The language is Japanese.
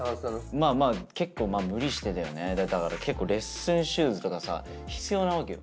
まあまあ結構だから結構レッスンシューズとかさ必要なわけよ。